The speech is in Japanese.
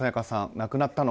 亡くなったの？